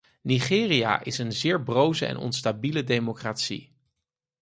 Nigeria is een zeer broze en onstabiele democratie.